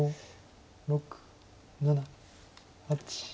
６７８。